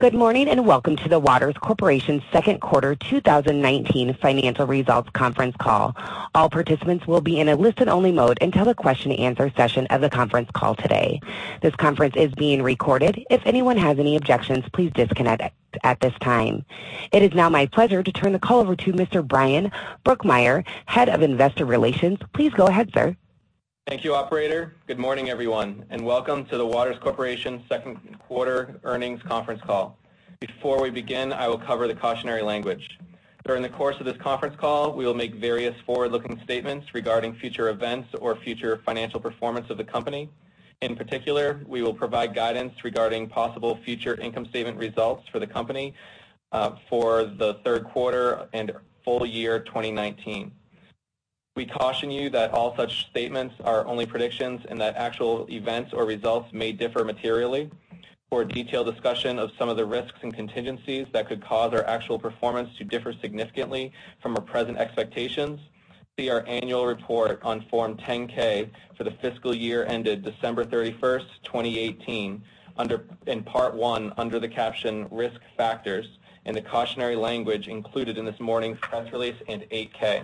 Good morning and welcome to the Waters Corporation's Second Quarter 2019 Financial Results Conference Call. All participants will be in a listen-only mode until the question-and-answer session of the conference call today. This conference is being recorded. If anyone has any objections, please disconnect at this time. It is now my pleasure to turn the call over to Mr. Bryan Brokmeier, Head of Investor Relations. Please go ahead, sir. Thank you, Operator. Good morning, everyone, and welcome to the Waters Corporation Second Quarter Earnings Conference Call. Before we begin, I will cover the cautionary language. During the course of this conference call, we will make various forward-looking statements regarding future events or future financial performance of the company. In particular, we will provide guidance regarding possible future income statement results for the company for the third quarter and full year 2019. We caution you that all such statements are only predictions and that actual events or results may differ materially. For detailed discussion of some of the risks and contingencies that could cause our actual performance to differ significantly from our present expectations, see our annual report on Form 10-K for the fiscal year ended December 31st, 2018, in Part 1 under the caption Risk Factors, and the cautionary language included in this morning's press release and Form 8-K.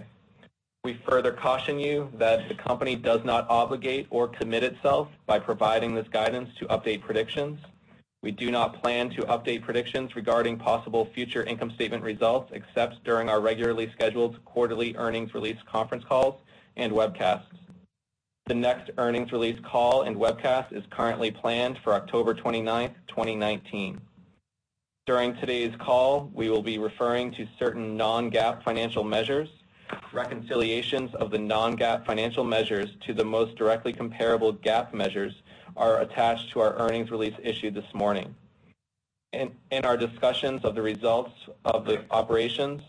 We further caution you that the company does not obligate or commit itself by providing this guidance to update predictions. We do not plan to update predictions regarding possible future income statement results except during our regularly scheduled quarterly earnings release conference calls and webcasts. The next earnings release call and webcast is currently planned for October 29th, 2019. During today's call, we will be referring to certain non-GAAP financial measures. Reconciliations of the non-GAAP financial measures to the most directly comparable GAAP measures are attached to our earnings release issued this morning. In our discussions of the results of the operations,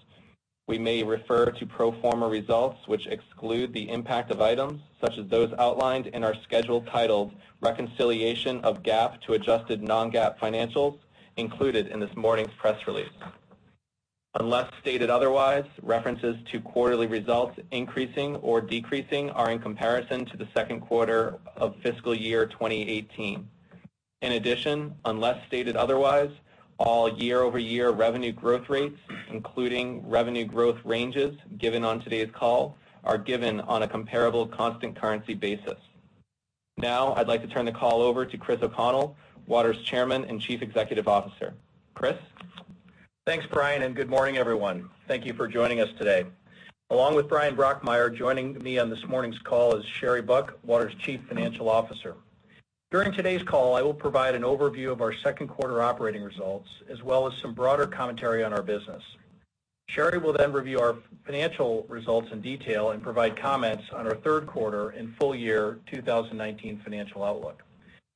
we may refer to pro forma results which exclude the impact of items such as those outlined in our schedule titled Reconciliation of GAAP to Adjusted Non-GAAP Financials included in this morning's press release. Unless stated otherwise, references to quarterly results increasing or decreasing are in comparison to the second quarter of fiscal year 2018. In addition, unless stated otherwise, all year-over-year revenue growth rates, including revenue growth ranges given on today's call, are given on a comparable constant currency basis. Now, I'd like to turn the call over to Chris O'Connell, Waters Chairman and Chief Executive Officer. Chris? Thanks, Bryan, and good morning, everyone. Thank you for joining us today. Along with Bryan Brokmeier, joining me on this morning's call is Sherry Buck, Waters' Chief Financial Officer. During today's call, I will provide an overview of our second quarter operating results as well as some broader commentary on our business. Sherry will then review our financial results in detail and provide comments on our third quarter and full year 2019 financial outlook.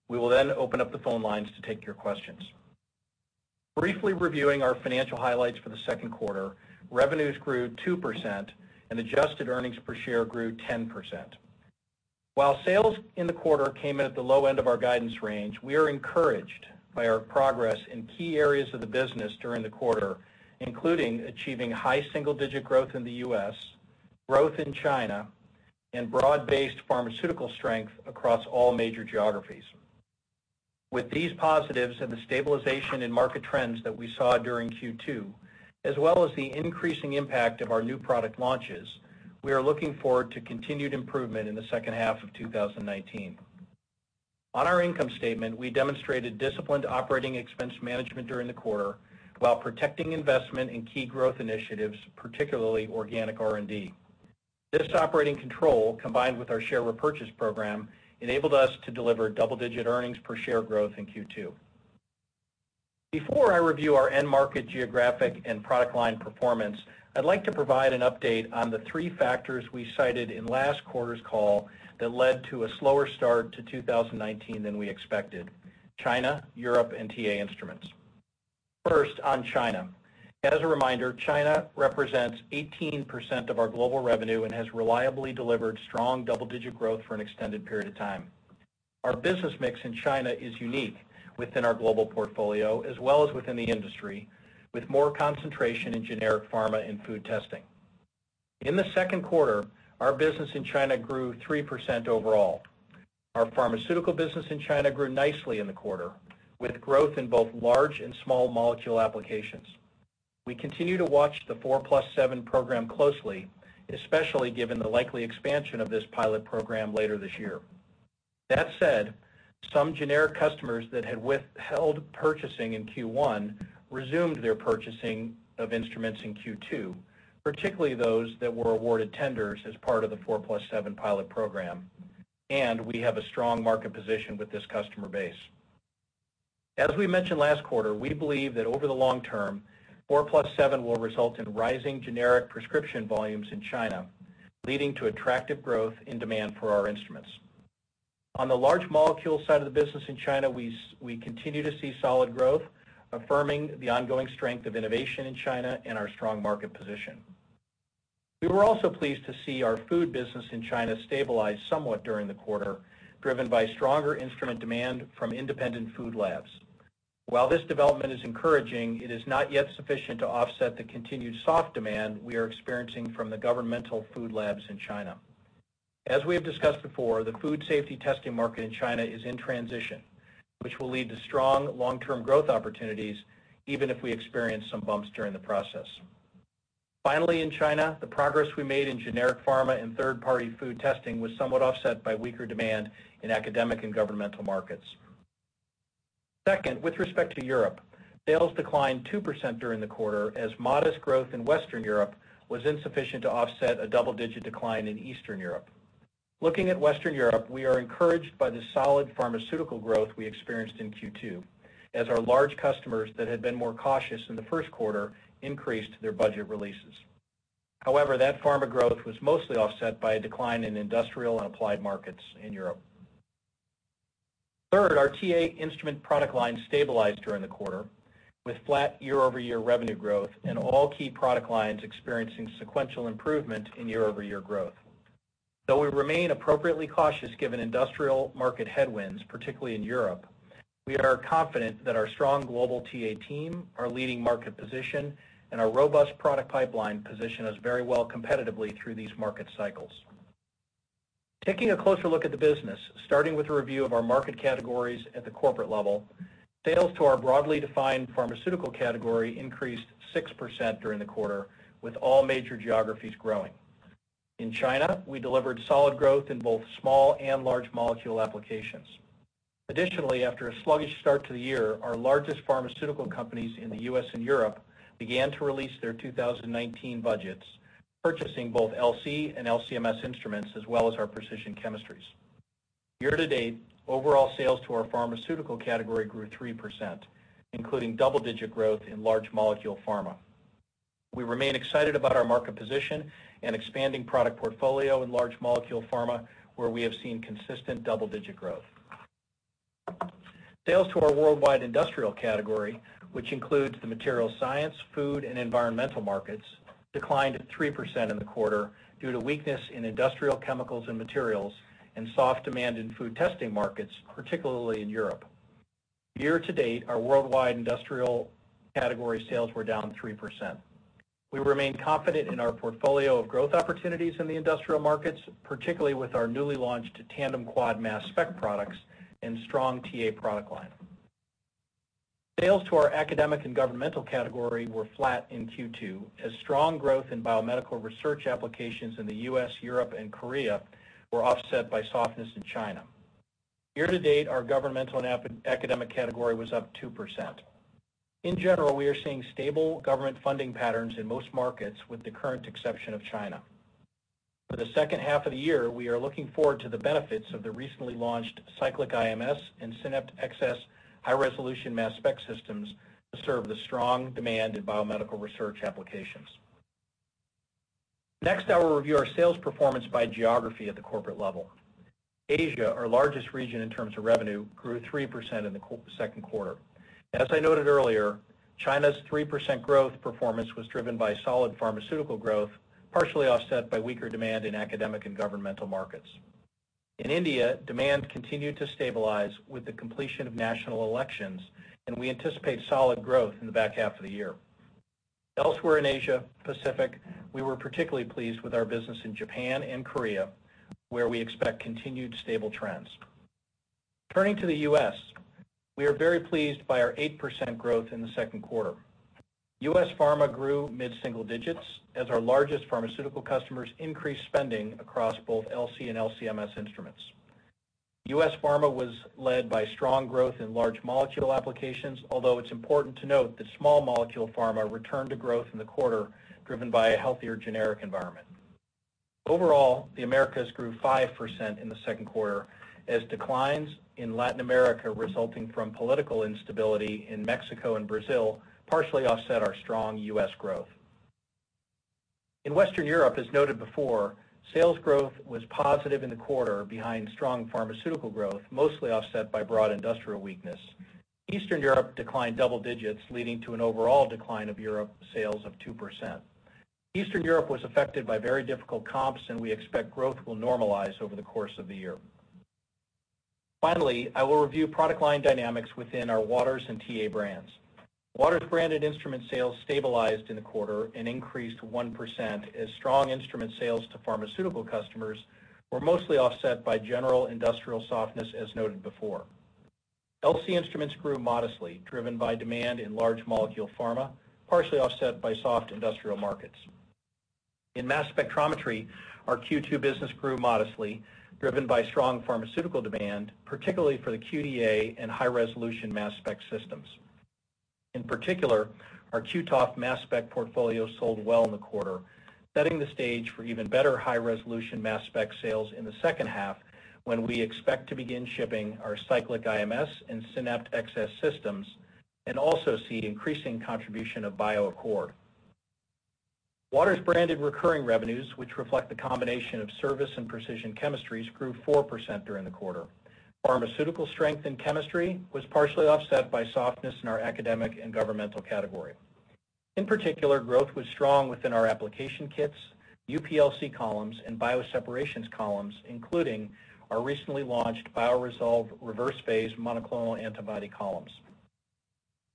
We will then open up the phone lines to take your questions. Briefly reviewing our financial highlights for the second quarter, revenues grew 2% and adjusted earnings per share grew 10%. While sales in the quarter came in at the low end of our guidance range, we are encouraged by our progress in key areas of the business during the quarter, including achieving high single-digit growth in the U.S., growth in China, and broad-based pharmaceutical strength across all major geographies. With these positives and the stabilization in market trends that we saw during Q2, as well as the increasing impact of our new product launches, we are looking forward to continued improvement in the second half of 2019. On our income statement, we demonstrated disciplined operating expense management during the quarter while protecting investment in key growth initiatives, particularly organic R&D. This operating control, combined with our share repurchase program, enabled us to deliver double-digit earnings per share growth in Q2. Before I review our end market geographic and product line performance, I'd like to provide an update on the three factors we cited in last quarter's call that led to a slower start to 2019 than we expected: China, Europe, and TA Instruments. First, on China. As a reminder, China represents 18% of our global revenue and has reliably delivered strong double-digit growth for an extended period of time. Our business mix in China is unique within our global portfolio as well as within the industry, with more concentration in generic pharma and food testing. In the second quarter, our business in China grew 3% overall. Our pharmaceutical business in China grew nicely in the quarter, with growth in both large and small molecule applications. We continue to watch the 4+7 program closely, especially given the likely expansion of this pilot program later this year. That said, some generic customers that had withheld purchasing in Q1 resumed their purchasing of instruments in Q2, particularly those that were awarded tenders as part of the 4+7 pilot program, and we have a strong market position with this customer base. As we mentioned last quarter, we believe that over the long term, 4+7 will result in rising generic prescription volumes in China, leading to attractive growth in demand for our instruments. On the large molecule side of the business in China, we continue to see solid growth, affirming the ongoing strength of innovation in China and our strong market position. We were also pleased to see our food business in China stabilize somewhat during the quarter, driven by stronger instrument demand from independent food labs. While this development is encouraging, it is not yet sufficient to offset the continued soft demand we are experiencing from the governmental food labs in China. As we have discussed before, the food safety testing market in China is in transition, which will lead to strong long-term growth opportunities even if we experience some bumps during the process. Finally, in China, the progress we made in generic pharma and third-party food testing was somewhat offset by weaker demand in academic and governmental markets. Second, with respect to Europe, sales declined 2% during the quarter as modest growth in Western Europe was insufficient to offset a double-digit decline in Eastern Europe. Looking at Western Europe, we are encouraged by the solid pharmaceutical growth we experienced in Q2 as our large customers that had been more cautious in the first quarter increased their budget releases. However, that pharma growth was mostly offset by a decline in industrial and applied markets in Europe. Third, our TA instrument product line stabilized during the quarter with flat year-over-year revenue growth and all key product lines experiencing sequential improvement in year-over-year growth. Though we remain appropriately cautious given industrial market headwinds, particularly in Europe, we are confident that our strong global TA team, our leading market position, and our robust product pipeline position us very well competitively through these market cycles. Taking a closer look at the business, starting with a review of our market categories at the corporate level, sales to our broadly defined pharmaceutical category increased 6% during the quarter, with all major geographies growing. In China, we delivered solid growth in both small and large molecule applications. Additionally, after a sluggish start to the year, our largest pharmaceutical companies in the U.S. and Europe began to release their 2019 budgets, purchasing both LC and LC-MS instruments as well as our precision chemistries. Year-to-date, overall sales to our pharmaceutical category grew 3%, including double-digit growth in large molecule pharma. We remain excited about our market position and expanding product portfolio in large molecule pharma, where we have seen consistent double-digit growth. Sales to our worldwide industrial category, which includes the materials science, food, and environmental markets, declined 3% in the quarter due to weakness in industrial chemicals and materials and soft demand in food testing markets, particularly in Europe. Year-to-date, our worldwide industrial category sales were down 3%. We remain confident in our portfolio of growth opportunities in the industrial markets, particularly with our newly launched tandem quad mass spec products and strong TA product line. Sales to our academic and governmental category were flat in Q2, as strong growth in biomedical research applications in the U.S., Europe, and Korea were offset by softness in China. Year-to-date, our governmental and academic category was up 2%. In general, we are seeing stable government funding patterns in most markets, with the current exception of China. For the second half of the year, we are looking forward to the benefits of the recently launched Cyclic IMS and SYNAPT XS high-resolution mass spec systems to serve the strong demand in biomedical research applications. Next, I will review our sales performance by geography at the corporate level. Asia, our largest region in terms of revenue, grew 3% in the second quarter. As I noted earlier, China's 3% growth performance was driven by solid pharmaceutical growth, partially offset by weaker demand in academic and governmental markets. In India, demand continued to stabilize with the completion of national elections, and we anticipate solid growth in the back half of the year. Elsewhere in Asia-Pacific, we were particularly pleased with our business in Japan and Korea, where we expect continued stable trends. Turning to the U.S., we are very pleased by our 8% growth in the second quarter. U.S. Pharma grew mid-single digits as our largest pharmaceutical customers increased spending across both LC and LC-MS instruments. U.S. Pharma was led by strong growth in large molecule applications, although it's important to note that small molecule pharma returned to growth in the quarter driven by a healthier generic environment. Overall, the Americas grew 5% in the second quarter, as declines in Latin America resulting from political instability in Mexico and Brazil partially offset our strong U.S. growth. In Western Europe, as noted before, sales growth was positive in the quarter behind strong pharmaceutical growth, mostly offset by broad industrial weakness. Eastern Europe declined double digits, leading to an overall decline of Europe sales of 2%. Eastern Europe was affected by very difficult comps, and we expect growth will normalize over the course of the year. Finally, I will review product line dynamics within our Waters and TA brands. Waters branded instrument sales stabilized in the quarter and increased 1% as strong instrument sales to pharmaceutical customers were mostly offset by general industrial softness, as noted before. LC instruments grew modestly, driven by demand in large molecule pharma, partially offset by soft industrial markets. In mass spectrometry, our Q2 business grew modestly, driven by strong pharmaceutical demand, particularly for the QDa and high-resolution mass spec systems. In particular, our QTof mass spec portfolio sold well in the quarter, setting the stage for even better high-resolution mass spec sales in the second half when we expect to begin shipping our Cyclic IMS and SYNAPT XS systems and also see increasing contribution of BioAccord. Waters branded recurring revenues, which reflect the combination of service and precision chemistries, grew 4% during the quarter. Pharmaceutical strength in chemistry was partially offset by softness in our academic and governmental category. In particular, growth was strong within our application kits, UPLC columns, and bioseparations columns, including our recently launched BioResolve reversed-phase monoclonal antibody columns.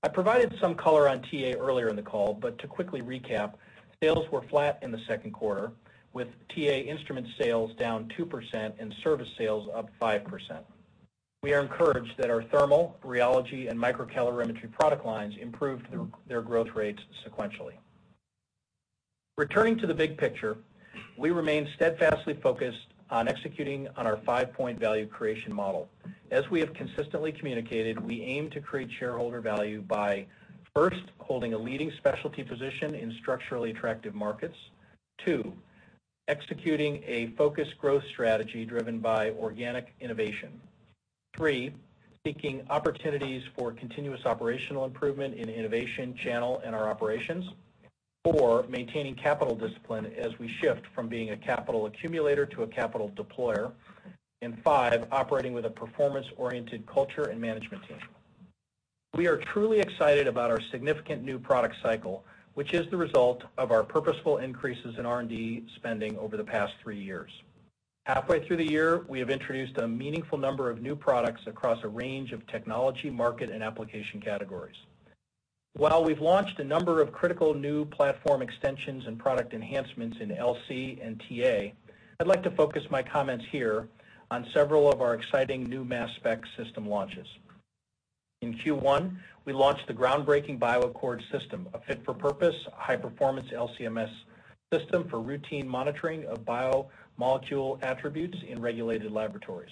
I provided some color on TA earlier in the call, but to quickly recap, sales were flat in the second quarter, with TA instrument sales down 2% and service sales up 5%. We are encouraged that our thermal, rheology, and microcalorimetry product lines improved their growth rates sequentially. Returning to the big picture, we remain steadfastly focused on executing on our five-point value creation model. As we have consistently communicated, we aim to create shareholder value by, first, holding a leading specialty position in structurally attractive markets. Two, executing a focused growth strategy driven by organic innovation. Three, seeking opportunities for continuous operational improvement in innovation channel and our operations. Four, maintaining capital discipline as we shift from being a capital accumulator to a capital deployer. And five, operating with a performance-oriented culture and management team. We are truly excited about our significant new product cycle, which is the result of our purposeful increases in R&D spending over the past three years. Halfway through the year, we have introduced a meaningful number of new products across a range of technology, market, and application categories. While we've launched a number of critical new platform extensions and product enhancements in LC and TA, I'd like to focus my comments here on several of our exciting new mass spec system launches. In Q1, we launched the groundbreaking BioAccord System, a fit-for-purpose, high-performance LC-MS system for routine monitoring of biomolecule attributes in regulated laboratories.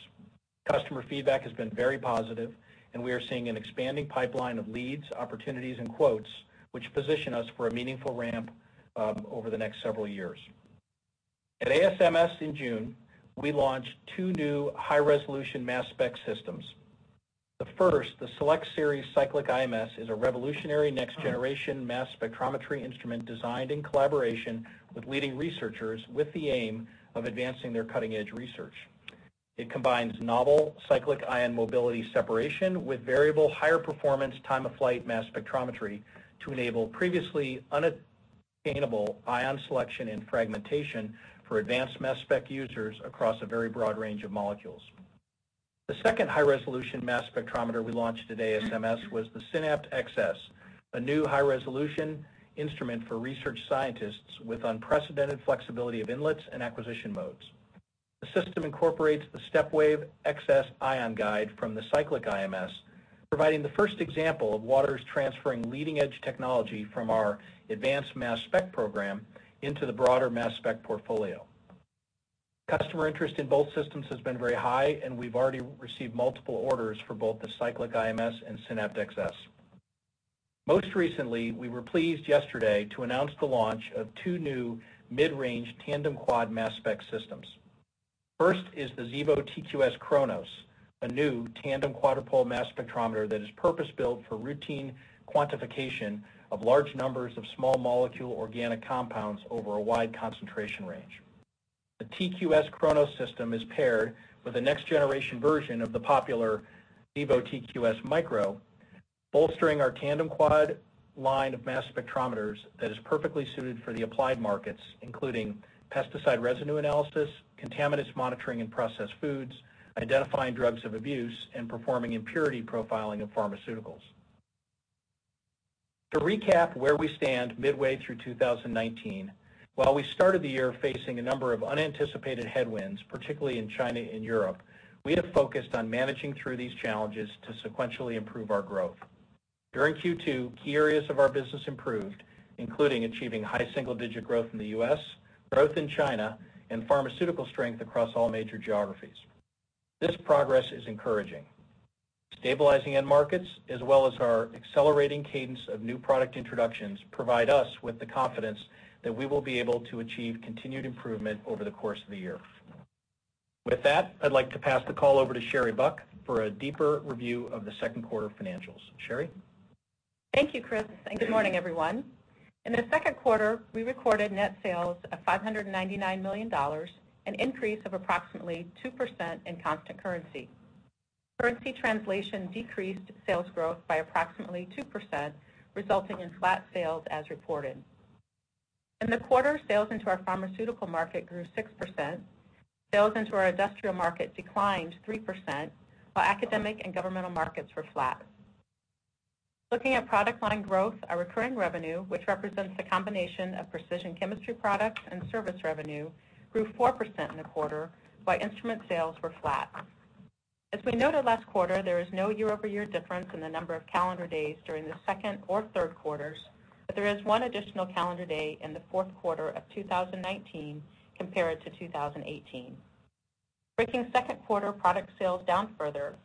Customer feedback has been very positive, and we are seeing an expanding pipeline of leads, opportunities, and quotes, which position us for a meaningful ramp over the next several years. At ASMS in June, we launched two new high-resolution mass spec systems. The first, the SELECT SERIES Cyclic IMS, is a revolutionary next-generation mass spectrometry instrument designed in collaboration with leading researchers with the aim of advancing their cutting-edge research. It combines novel cyclic ion mobility separation with variable higher-performance time-of-flight mass spectrometry to enable previously unattainable ion selection and fragmentation for advanced mass spec users across a very broad range of molecules. The second high-resolution mass spectrometer we launched at ASMS was the SYNAPT XS, a new high-resolution instrument for research scientists with unprecedented flexibility of inlets and acquisition modes. The system incorporates the StepWave XS ion guide from the Cyclic IMS, providing the first example of Waters transferring leading-edge technology from our advanced mass spec program into the broader mass spec portfolio. Customer interest in both systems has been very high, and we've already received multiple orders for both the Cyclic IMS and SYNAPT XS. Most recently, we were pleased yesterday to announce the launch of two new mid-range tandem quad mass spec systems. First is the Xevo TQ-S cronos, a new tandem quadrupole mass spectrometer that is purpose-built for routine quantification of large numbers of small molecule organic compounds over a wide concentration range. The TQ-S cronos system is paired with a next-generation version of the popular Xevo TQ-S micro, bolstering our tandem quad line of mass spectrometers that is perfectly suited for the applied markets, including pesticide residue analysis, contaminants monitoring and processed foods, identifying drugs of abuse, and performing impurity profiling of pharmaceuticals. To recap where we stand midway through 2019, while we started the year facing a number of unanticipated headwinds, particularly in China and Europe, we have focused on managing through these challenges to sequentially improve our growth. During Q2, key areas of our business improved, including achieving high single-digit growth in the U.S., growth in China, and pharmaceutical strength across all major geographies. This progress is encouraging. Stabilizing end markets, as well as our accelerating cadence of new product introductions, provide us with the confidence that we will be able to achieve continued improvement over the course of the year. With that, I'd like to pass the call over to Sherry Buck for a deeper review of the second quarter financials. Sherry? Thank you, Chris, and good morning, everyone. In the second quarter, we recorded net sales of $599 million, an increase of approximately 2% in constant currency. Currency translation decreased sales growth by approximately 2%, resulting in flat sales as reported. In the quarter, sales into our pharmaceutical market grew 6%. Sales into our industrial market declined 3%, while academic and governmental markets were flat. Looking at product line growth, our recurring revenue, which represents the combination of precision chemistry products and service revenue, grew 4% in the quarter, while instrument sales were flat. As we noted last quarter, there is no year-over-year difference in the number of calendar days during the second or third quarters, but there is one additional calendar day in the fourth quarter of 2019 compared to 2018. Breaking second quarter product sales down further,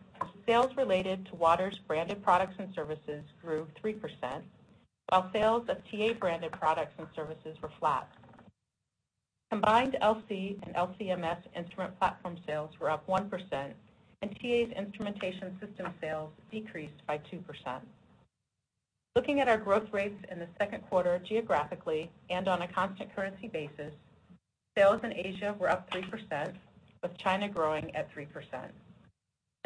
sales related to Waters branded products and services grew 3%, while sales of TA branded products and services were flat. Combined LC and LC-MS instrument platform sales were up 1%, and TA's instrumentation system sales decreased by 2%. Looking at our growth rates in the second quarter geographically and on a constant currency basis, sales in Asia were up 3%, with China growing at 3%.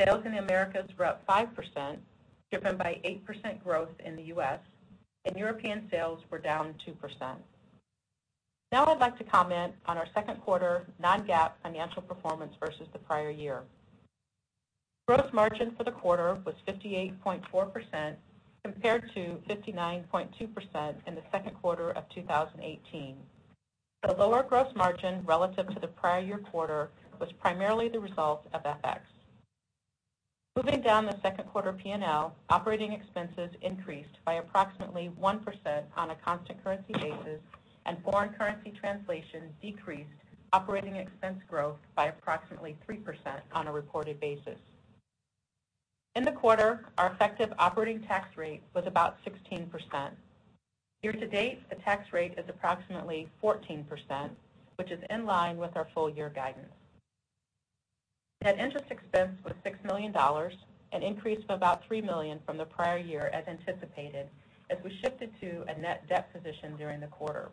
Sales in the Americas were up 5%, driven by 8% growth in the U.S., and European sales were down 2%. Now I'd like to comment on our second quarter non-GAAP financial performance versus the prior year. Gross margin for the quarter was 58.4% compared to 59.2% in the second quarter of 2018. The lower gross margin relative to the prior year quarter was primarily the result of FX. Moving down the second quarter P&L, operating expenses increased by approximately 1% on a constant currency basis, and foreign currency translation decreased operating expense growth by approximately 3% on a reported basis. In the quarter, our effective operating tax rate was about 16%. Year-to-date, the tax rate is approximately 14%, which is in line with our full-year guidance. Net interest expense was $6 million, an increase of about $3 million from the prior year as anticipated, as we shifted to a net debt position during the quarter.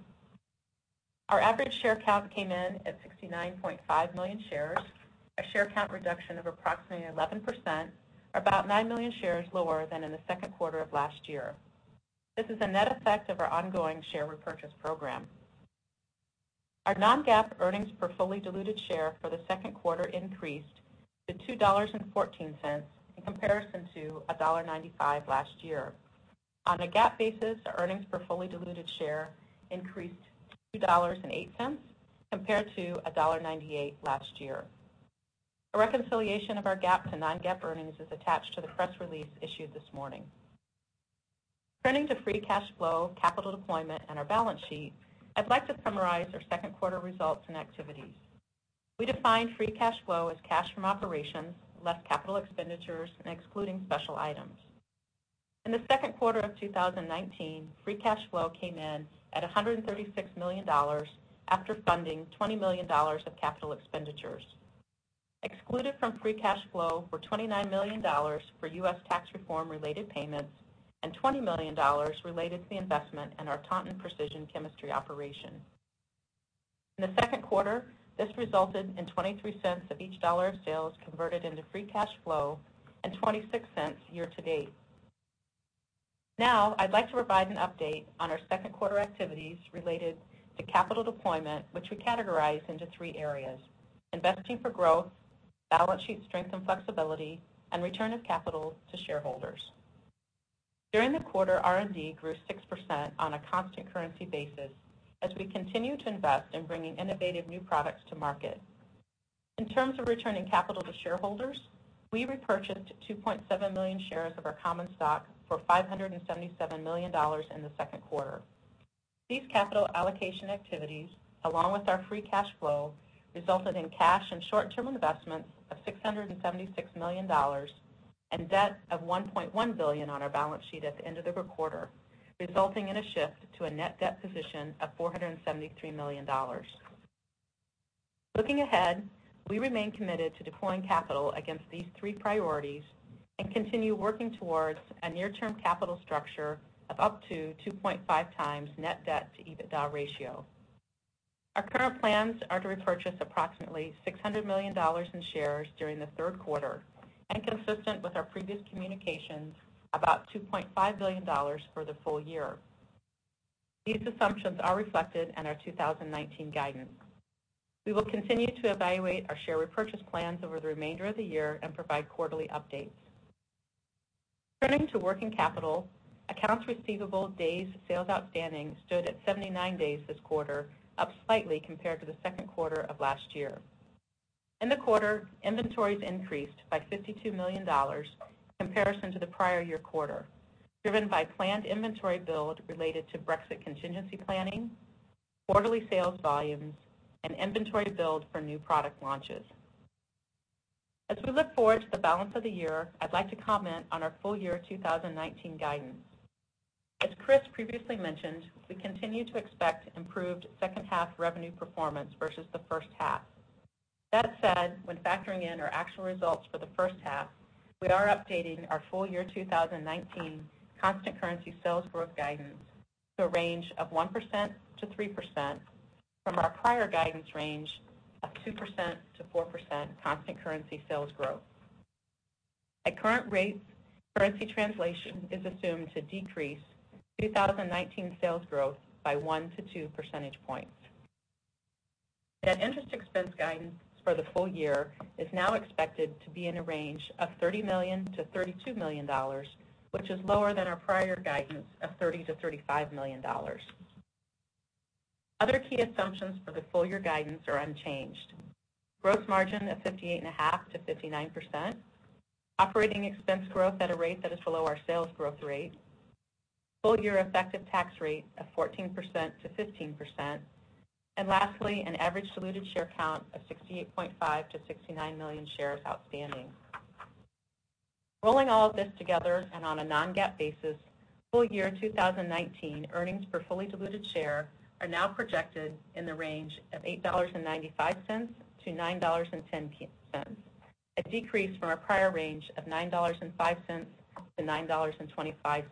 Our average share count came in at 69.5 million shares, a share count reduction of approximately 11%, about 9 million shares lower than in the second quarter of last year. This is a net effect of our ongoing share repurchase program. Our non-GAAP earnings per fully diluted share for the second quarter increased to $2.14 in comparison to $1.95 last year. On a GAAP basis, our earnings per fully diluted share increased to $2.08 compared to $1.98 last year. A reconciliation of our GAAP to non-GAAP earnings is attached to the press release issued this morning. Turning to free cash flow, capital deployment, and our balance sheet, I'd like to summarize our second quarter results and activities. We defined free cash flow as cash from operations, less capital expenditures, and excluding special items. In the second quarter of 2019, free cash flow came in at $136 million after funding $20 million of capital expenditures. Excluded from free cash flow were $29 million for U.S. tax reform-related payments and $20 million related to the investment in our Taunton Precision Chemistry operation. In the second quarter, this resulted in $0.23 of each dollar of sales converted into free cash flow and $0.26 year-to-date. Now, I'd like to provide an update on our second quarter activities related to capital deployment, which we categorize into three areas: investing for growth, balance sheet strength and flexibility, and return of capital to shareholders. During the quarter, R&D grew 6% on a constant currency basis as we continue to invest in bringing innovative new products to market. In terms of returning capital to shareholders, we repurchased 2.7 million shares of our common stock for $577 million in the second quarter. These capital allocation activities, along with our free cash flow, resulted in cash and short-term investments of $676 million and debt of $1.1 billion on our balance sheet at the end of the quarter, resulting in a shift to a net debt position of $473 million. Looking ahead, we remain committed to deploying capital against these three priorities and continue working towards a near-term capital structure of up to 2.5 times net debt to EBITDA ratio. Our current plans are to repurchase approximately $600 million in shares during the third quarter and consistent with our previous communications about $2.5 billion for the full year. These assumptions are reflected in our 2019 guidance. We will continue to evaluate our share repurchase plans over the remainder of the year and provide quarterly updates. Turning to working capital, accounts receivable days sales outstanding stood at 79 days this quarter, up slightly compared to the second quarter of last year. In the quarter, inventories increased by $52 million in comparison to the prior year quarter, driven by planned inventory build related to Brexit contingency planning, quarterly sales volumes, and inventory build for new product launches. As we look forward to the balance of the year, I'd like to comment on our full-year 2019 guidance. As Chris previously mentioned, we continue to expect improved second-half revenue performance versus the first half. That said, when factoring in our actual results for the first half, we are updating our full-year 2019 constant currency sales growth guidance to a range of 1%-3% from our prior guidance range of 2%-4% constant currency sales growth. At current rates, currency translation is assumed to decrease 2019 sales growth by 1 to 2 percentage points. Net interest expense guidance for the full year is now expected to be in a range of $30 million-$32 million, which is lower than our prior guidance of $30 million-$35 million. Other key assumptions for the full-year guidance are unchanged: gross margin of 58.5%-59%, operating expense growth at a rate that is below our sales growth rate, full-year effective tax rate of 14%-15%, and lastly, an average diluted share count of 68.5 million-69 million shares outstanding. Rolling all of this together and on a non-GAAP basis, full-year 2019 earnings per fully diluted share are now projected in the range of $8.95-$9.10, a decrease from our prior range of $9.05-$9.25.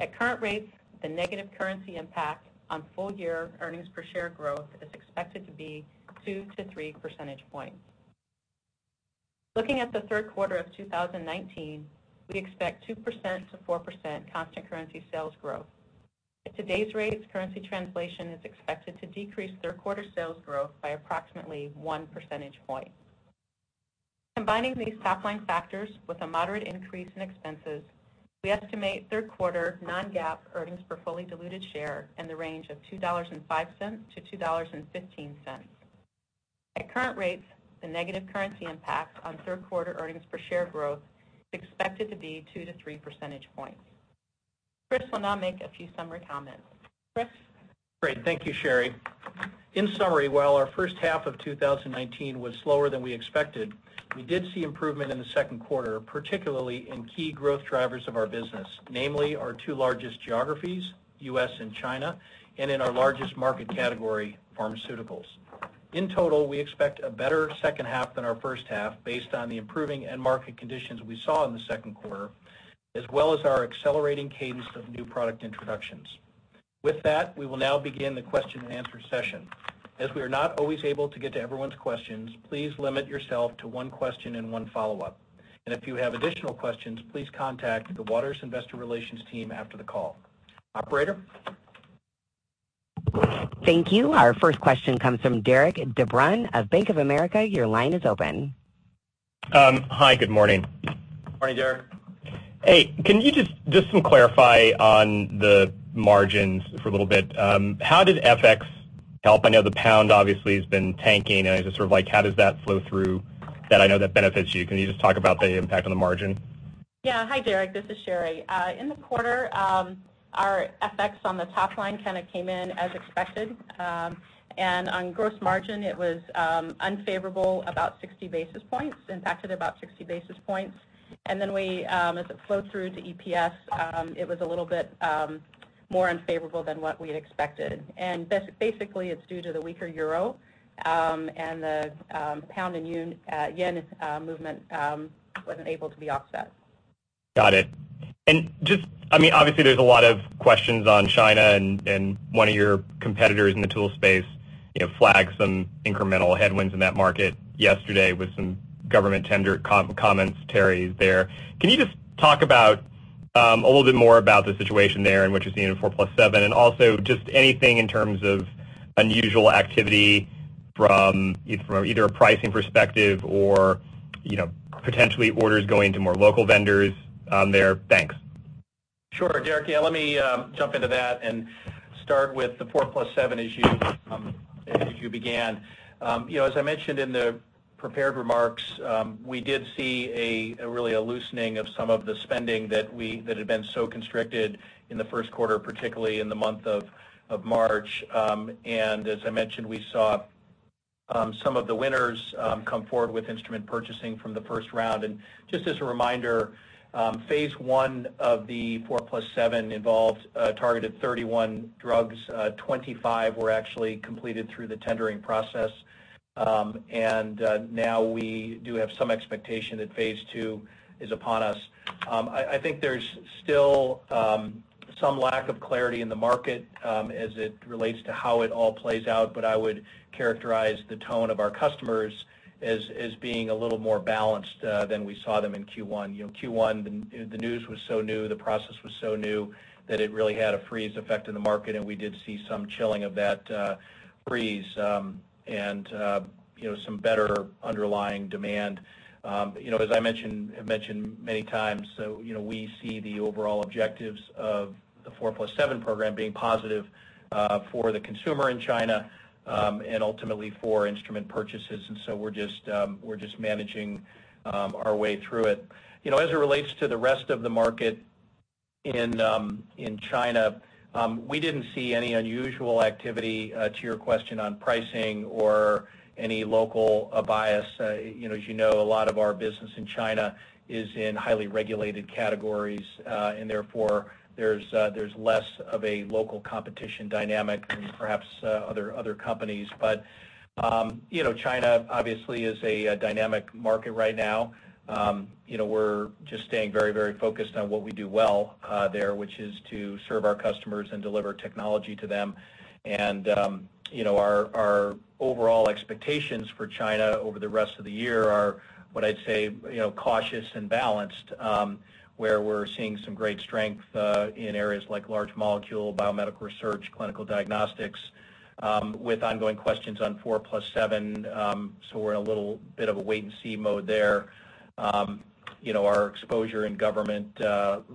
At current rates, the negative currency impact on full-year earnings per share growth is expected to be 2-3 percentage points. Looking at the third quarter of 2019, we expect 2%-4% constant currency sales growth. At today's rates, currency translation is expected to decrease third-quarter sales growth by approximately 1 percentage point. Combining these top-line factors with a moderate increase in expenses, we estimate third-quarter non-GAAP earnings per fully diluted share in the range of $2.05-$2.15. At current rates, the negative currency impact on third-quarter earnings per share growth is expected to be 2-3 percentage points. Chris will now make a few summary comments. Chris? Great. Thank you, Sherry. In summary, while our first half of 2019 was slower than we expected, we did see improvement in the second quarter, particularly in key growth drivers of our business, namely our two largest geographies, U.S. and China, and in our largest market category, pharmaceuticals. In total, we expect a better second half than our first half based on the improving end market conditions we saw in the second quarter, as well as our accelerating cadence of new product introductions. With that, we will now begin the question-and-answer session. As we are not always able to get to everyone's questions, please limit yourself to one question and one follow-up. And if you have additional questions, please contact the Waters Investor Relations team after the call. Operator? Thank you. Our first question comes from Derik De Bruin of Bank of America. Your line is open. Hi. Good morning. Morning, Derik. Hey. Can you just clarify on the margins for a little bit? How did FX help? I know the pound obviously has been tanking, and I just sort of like, how does that flow through that? I know that benefits you. Can you just talk about the impact on the margin? Yeah. Hi, Derik. This is Sherry. In the quarter, our FX on the top line kind of came in as expected. And on gross margin, it was unfavorable, about 60 basis points, impacted about 60 basis points. And then as it flowed through to EPS, it was a little bit more unfavorable than what we had expected. And basically, it's due to the weaker euro and the pound and yen movement wasn't able to be offset. Got it. And I mean, obviously, there's a lot of questions on China and one of your competitors in the tool space flagged some incremental headwinds in that market yesterday with some government comments, Sherry, there. Can you just talk a little bit more about the situation there and what you're seeing in 4+7? And also just anything in terms of unusual activity from either a pricing perspective or potentially orders going to more local vendors there, Sherry? Sure. Derik, yeah, let me jump into that and start with the 4+7 as you began. As I mentioned in the prepared remarks, we did see really a loosening of some of the spending that had been so constricted in the first quarter, particularly in the month of March. And as I mentioned, we saw some of the winners come forward with instrument purchasing from the first round. Just as a reminder, phase I of the 4+7 targeted 31 drugs. 25 were actually completed through the tendering process. Now we do have some expectation that phase II is upon us. I think there's still some lack of clarity in the market as it relates to how it all plays out, but I would characterize the tone of our customers as being a little more balanced than we saw them in Q1. Q1, the news was so new, the process was so new that it really had a freeze effect in the market, and we did see some chilling of that freeze and some better underlying demand. As I mentioned many times, we see the overall objectives of the 4+7 program being positive for the consumer in China and ultimately for instrument purchases. We're just managing our way through it. As it relates to the rest of the market in China, we didn't see any unusual activity to your question on pricing or any local bias, as you know, a lot of our business in China is in highly regulated categories, and therefore there's less of a local competition dynamic than perhaps other companies, but China obviously is a dynamic market right now. We're just staying very, very focused on what we do well there, which is to serve our customers and deliver technology to them, and our overall expectations for China over the rest of the year are what I'd say cautious and balanced, where we're seeing some great strength in areas like large molecule, biomedical research, clinical diagnostics, with ongoing questions on 4+7, so we're in a little bit of a wait-and-see mode there. Our exposure in government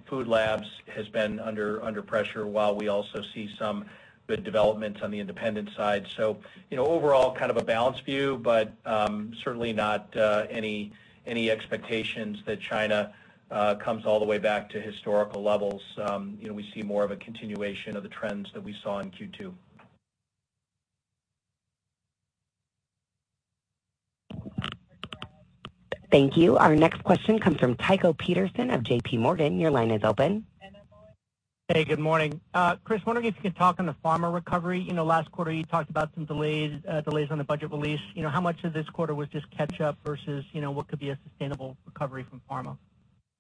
food labs has been under pressure while we also see some good developments on the independent side. So overall, kind of a balanced view, but certainly not any expectations that China comes all the way back to historical levels. We see more of a continuation of the trends that we saw in Q2. Thank you. Our next question comes from Tycho Peterson of JPMorgan. Your line is open. Hey. Good morning. Chris, wondering if you could talk on the pharma recovery. Last quarter, you talked about some delays on the budget release. How much of this quarter was just catch-up versus what could be a sustainable recovery from pharma?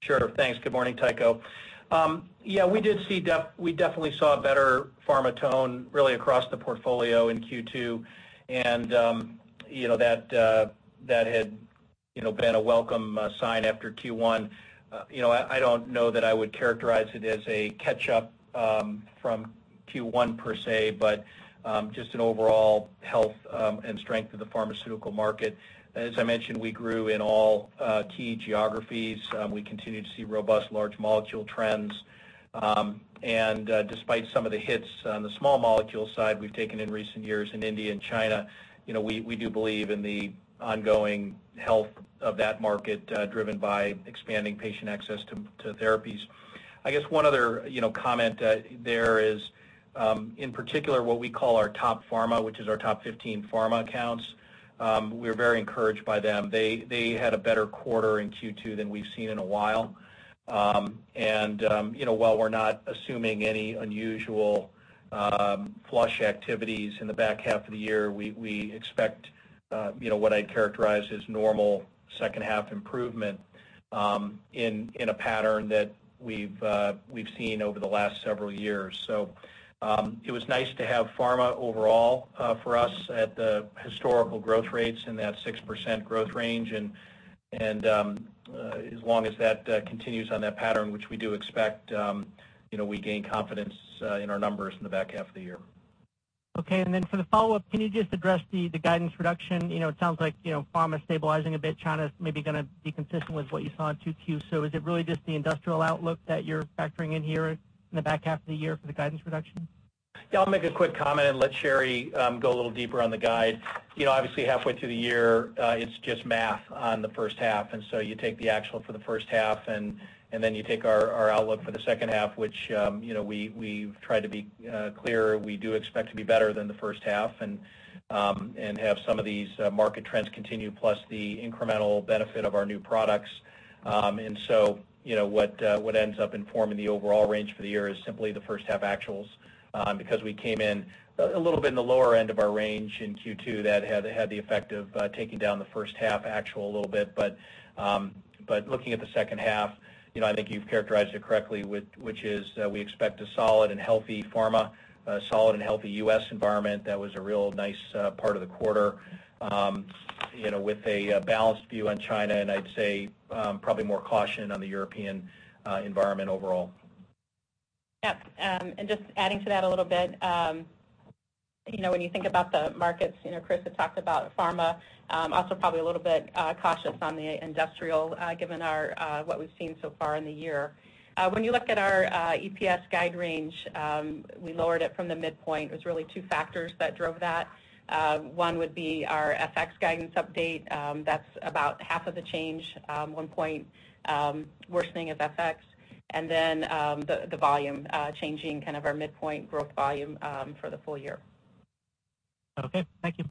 Sure. Thanks. Good morning, Tycho. Yeah, we definitely saw a better pharma tone really across the portfolio in Q2, and that had been a welcome sign after Q1. I don't know that I would characterize it as a catch-up from Q1 per se, but just an overall health and strength of the pharmaceutical market. As I mentioned, we grew in all key geographies. We continue to see robust large molecule trends. And despite some of the hits on the small molecule side we've taken in recent years in India and China, we do believe in the ongoing health of that market driven by expanding patient access to therapies. I guess one other comment there is, in particular, what we call our top pharma, which is our top 15 pharma accounts. We're very encouraged by them. They had a better quarter in Q2 than we've seen in a while. While we're not assuming any unusual flush activities in the back half of the year, we expect what I'd characterize as normal second-half improvement in a pattern that we've seen over the last several years. It was nice to have pharma overall for us at the historical growth rates in that 6% growth range. As long as that continues on that pattern, which we do expect, we gain confidence in our numbers in the back half of the year. Okay. Then for the follow-up, can you just address the guidance reduction? It sounds like pharma's stabilizing a bit. China's maybe going to be consistent with what you saw in Q2. Is it really just the industrial outlook that you're factoring in here in the back half of the year for the guidance reduction? Yeah. I'll make a quick comment and let Sherry go a little deeper on the guide. Obviously, halfway through the year, it's just math on the first half. And so you take the actual for the first half, and then you take our outlook for the second half, which we've tried to be clear. We do expect to be better than the first half and have some of these market trends continue, plus the incremental benefit of our new products. And so what ends up informing the overall range for the year is simply the first-half actuals because we came in a little bit in the lower end of our range in Q2. That had the effect of taking down the first-half actual a little bit. But looking at the second half, I think you've characterized it correctly, which is we expect a solid and healthy pharma, a solid and healthy U.S. environment. That was a real nice part of the quarter with a balanced view on China, and I'd say probably more caution on the European environment overall. Yep. And just adding to that a little bit, when you think about the markets, Chris had talked about pharma, also probably a little bit cautious on the industrial given what we've seen so far in the year. When you look at our EPS guide range, we lowered it from the midpoint. It was really two factors that drove that. One would be our FX guidance update. That's about half of the change, one point worsening of FX. And then the volume changing kind of our midpoint growth volume for the full year. Okay. Thank you.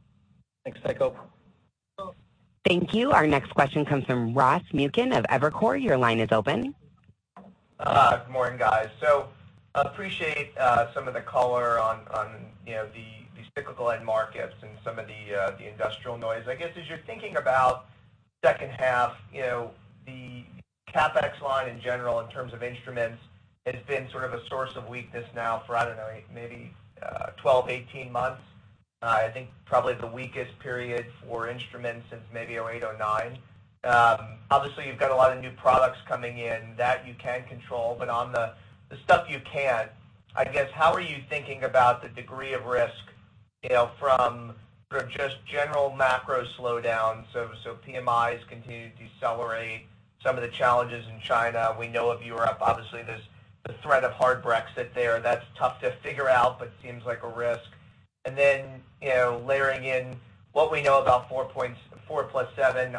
Thanks, Tycho. Thank you. Our next question comes from Ross Muken of Evercore. Your line is open. Good morning, guys. So I appreciate some of the color on these cyclical end markets and some of the industrial noise. I guess as you're thinking about second half, the capex line in general in terms of instruments has been sort of a source of weakness now for, I don't know, maybe 12, 18 months. I think probably the weakest period for instruments since maybe 2008, 2009. Obviously, you've got a lot of new products coming in that you can control. But on the stuff you can, I guess, how are you thinking about the degree of risk from just general macro slowdowns? So PMIs continue to decelerate. Some of the challenges in China. We know of Europe. Obviously, there's the threat of hard Brexit there. That's tough to figure out, but seems like a risk, and then layering in what we know about 4+7.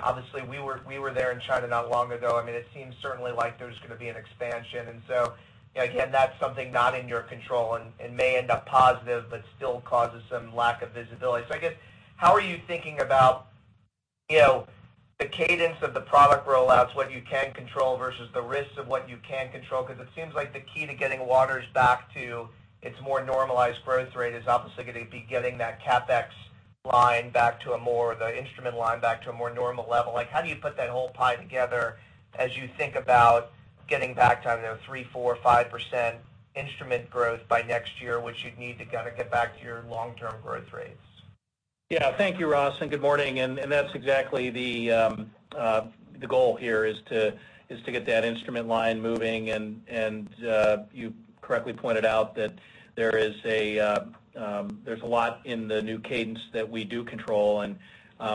Obviously, we were there in China not long ago. I mean, it seems certainly like there's going to be an expansion, and so again, that's something not in your control and may end up positive but still causes some lack of visibility, so I guess, how are you thinking about the cadence of the product rollouts, what you can control versus the risks of what you can control? Because it seems like the key to getting Waters back to its more normalized growth rate is obviously going to be getting that capex line back to a more, the instrument line, back to a more normal level. How do you put that whole pie together as you think about getting back to 3%, 4%, 5% instrument growth by next year, which you'd need to kind of get back to your long-term growth rates? Yeah. Thank you, Ross. And good morning. And that's exactly the goal here is to get that instrument line moving. And you correctly pointed out that there's a lot in the new cadence that we do control. And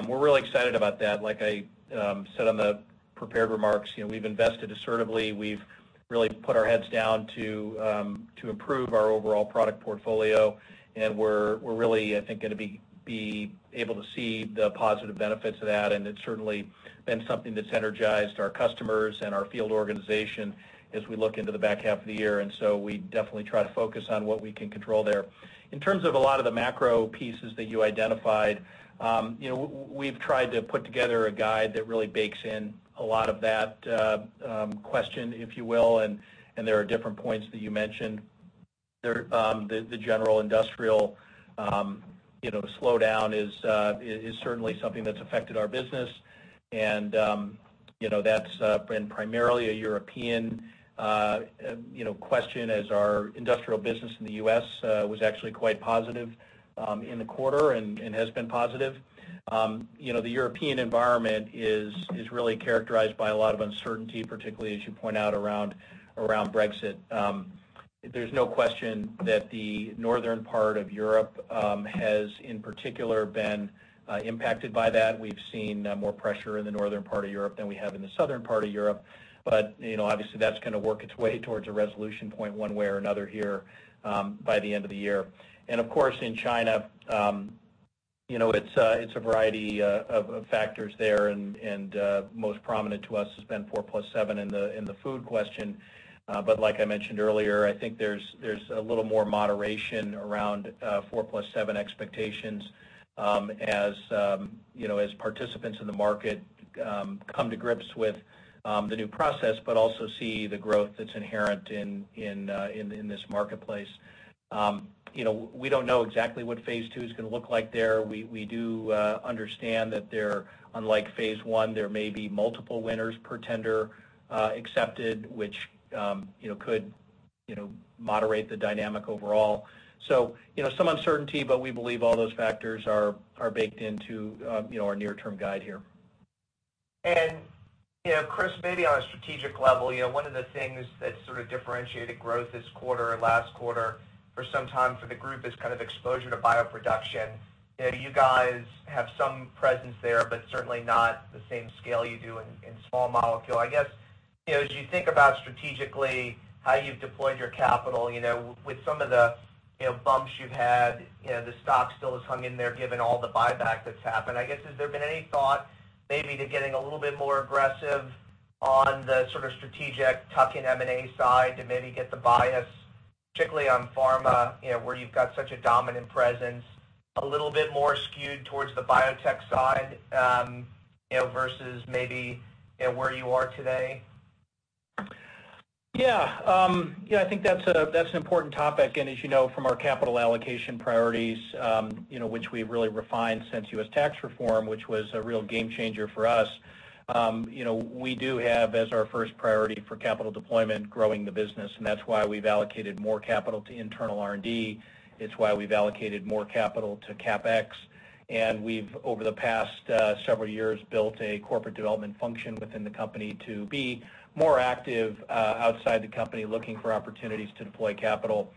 we're really excited about that. Like I said on the prepared remarks, we've invested assertively. We've really put our heads down to improve our overall product portfolio. And we're really, I think, going to be able to see the positive benefits of that. And it's certainly been something that's energized our customers and our field organization as we look into the back half of the year. We definitely try to focus on what we can control there. In terms of a lot of the macro pieces that you identified, we've tried to put together a guide that really bakes in a lot of that question, if you will. There are different points that you mentioned. The general industrial slowdown is certainly something that's affected our business. That's been primarily a European question as our industrial business in the U.S. was actually quite positive in the quarter and has been positive. The European environment is really characterized by a lot of uncertainty, particularly as you point out around Brexit. There's no question that the northern part of Europe has in particular been impacted by that. We've seen more pressure in the northern part of Europe than we have in the southern part of Europe. But obviously, that's going to work its way towards a resolution point one way or another here by the end of the year. And of course, in China, it's a variety of factors there. And most prominent to us has been 4+7 in the pharma question. But like I mentioned earlier, I think there's a little more moderation around 4+7 expectations as participants in the market come to grips with the new process, but also see the growth that's inherent in this marketplace. We don't know exactly what phase II is going to look like there. We do understand that unlike phase I, there may be multiple winners per tender accepted, which could moderate the dynamic overall. So some uncertainty, but we believe all those factors are baked into our near-term guide here. Chris, maybe on a strategic level, one of the things that sort of differentiated growth this quarter or last quarter for some time for the group is kind of exposure to bioproduction. You guys have some presence there, but certainly not the same scale you do in small molecule. I guess as you think about strategically how you've deployed your capital, with some of the bumps you've had, the stock still is hung in there given all the buyback that's happened. I guess has there been any thought maybe to getting a little bit more aggressive on the sort of strategic tuck-in M&A side to maybe get the bias, particularly on pharma where you've got such a dominant presence, a little bit more skewed towards the biotech side versus maybe where you are today? Yeah. Yeah. I think that's an important topic. As you know, from our capital allocation priorities, which we've really refined since U.S. tax reform, which was a real game changer for us, we do have as our first priority for capital deployment growing the business. And that's why we've allocated more capital to internal R&D. It's why we've allocated more capital to capex. And we've, over the past several years, built a corporate development function within the company to be more active outside the company looking for opportunities to deploy capital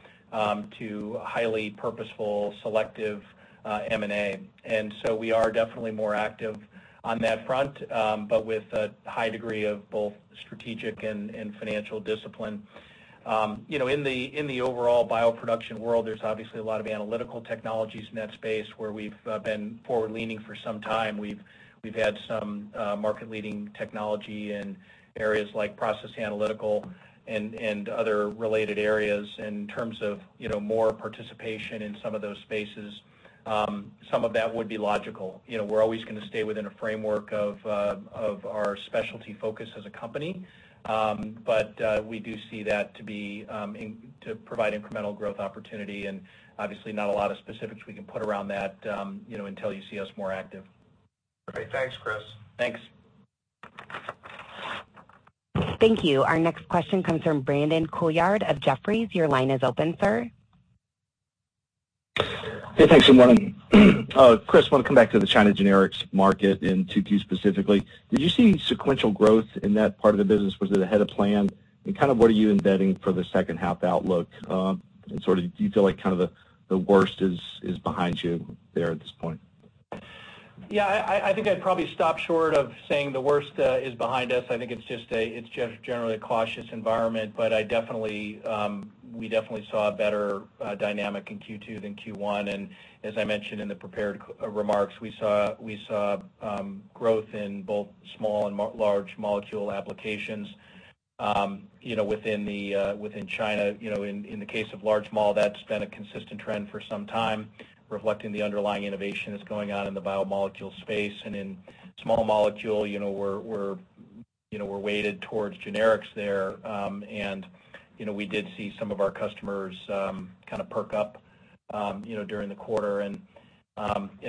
to highly purposeful, selective M&A. And so we are definitely more active on that front, but with a high degree of both strategic and financial discipline. In the overall bioproduction world, there's obviously a lot of analytical technologies in that space where we've been forward-leaning for some time. We've had some market-leading technology in areas like process analytical and other related areas. And in terms of more participation in some of those spaces, some of that would be logical. We're always going to stay within a framework of our specialty focus as a company. But we do see that to provide incremental growth opportunity. And obviously, not a lot of specifics we can put around that until you see us more active. All right. Thanks, Chris. Thanks. Thank you. Our next question comes from Brandon Couillard of Jefferies. Your line is open, sir. Hey. Thanks. Good morning. Chris, I want to come back to the China generics market in Q2 specifically. Did you see sequential growth in that part of the business? Was it ahead of plan? And kind of what are you embedding for the second-half outlook? And sort of do you feel like kind of the worst is behind you there at this point? Yeah. I think I'd probably stop short of saying the worst is behind us. I think it's just a generally cautious environment. But we definitely saw a better dynamic in Q2 than Q1. And as I mentioned in the prepared remarks, we saw growth in both small and large molecule applications within China. In the case of large, small, that's been a consistent trend for some time, reflecting the underlying innovation that's going on in the biomolecule space. And in small molecule, we're weighted towards generics there. And we did see some of our customers kind of perk up during the quarter. And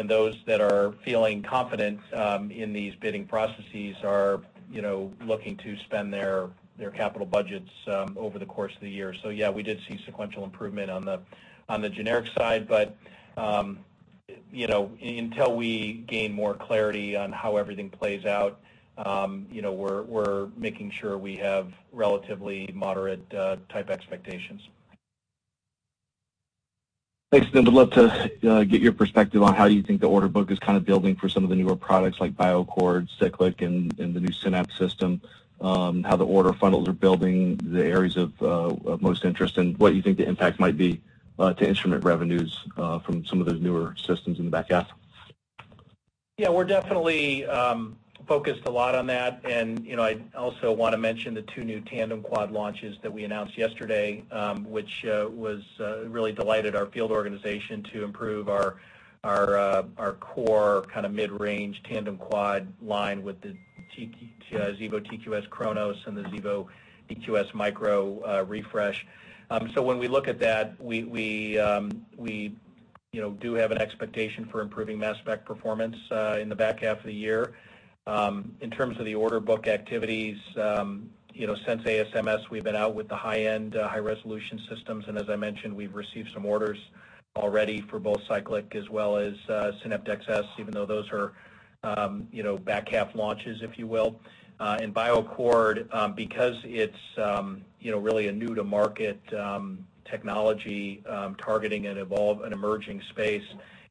those that are feeling confident in these bidding processes are looking to spend their capital budgets over the course of the year. So yeah, we did see sequential improvement on the generic side. But until we gain more clarity on how everything plays out, we're making sure we have relatively moderate-type expectations. Thanks. And I'd love to get your perspective on how you think the order book is kind of building for some of the newer products like BioAccord, Cyclic, and the new SYNAPT system, how the order funnels are building, the areas of most interest, and what you think the impact might be to instrument revenues from some of those newer systems in the back half. Yeah. We're definitely focused a lot on that. And I also want to mention the two new tandem quad launches that we announced yesterday, which really delighted our field organization to improve our core kind of mid-range tandem quad line with the Xevo TQ-S cronos and the Xevo TQ-S micro refresh. So when we look at that, we do have an expectation for improving mass spec performance in the back half of the year. In terms of the order book activities, since ASMS, we've been out with the high-end, high-resolution systems. And as I mentioned, we've received some orders already for both Cyclic as well as SYNAPT XS, even though those are back half launches, if you will. And BioAccord, because it's really a new-to-market technology targeting an emerging space,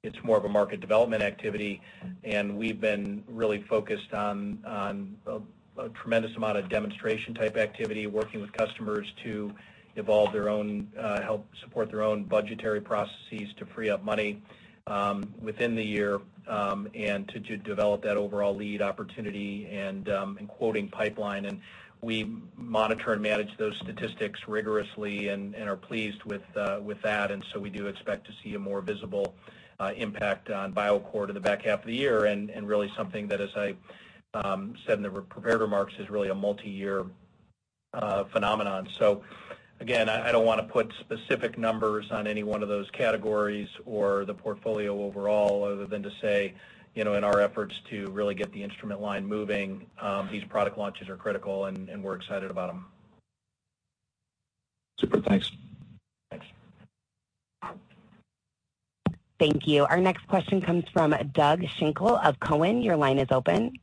it's more of a market development activity. And we've been really focused on a tremendous amount of demonstration-type activity, working with customers to help support their own budgetary processes to free up money within the year and to develop that overall lead opportunity and quoting pipeline. And we monitor and manage those statistics rigorously and are pleased with that. And so we do expect to see a more visible impact on BioAccord in the back half of the year and really something that, as I said in the prepared remarks, is really a multi-year phenomenon. So again, I don't want to put specific numbers on any one of those categories or the portfolio overall other than to say, in our efforts to really get the instrument line moving, these product launches are critical and we're excited about them. Super. Thanks. Thanks. Thank you. Our next question comes from Doug Schenkel of Cowen. Your line is open.